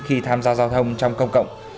khi tham gia giao thông trong công cộng